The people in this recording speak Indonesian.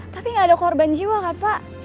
tapi nggak ada korban jiwa kan pak